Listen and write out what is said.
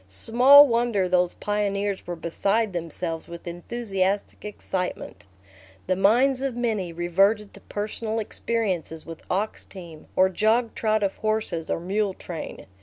Small wonder those pioneers were beside themselves with enthusiastic excitement. The minds of many reverted to personal experiences with ox team, or jogtrot of horses or mule train.